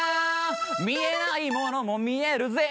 「見えないものも見えるぜ」